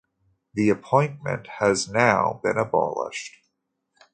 The appointment has now been abolished.